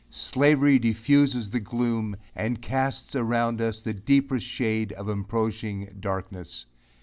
Slavery diffuses the gloom, and casts around us the deepest shade of approaching darkness.